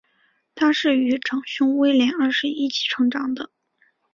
她是与长兄威廉二世一起成长的。